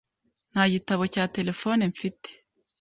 Nta gitabo cya terefone mfite .